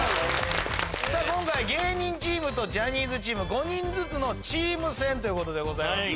今回芸人チームとジャニーズチーム５人ずつのチーム戦ということでございます。